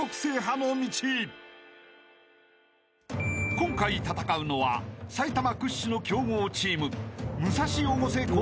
［今回戦うのは埼玉屈指の強豪チーム］